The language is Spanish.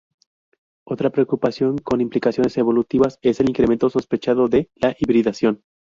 Otra preocupación con implicaciones evolutivas es el incremento sospechado de la hibridación.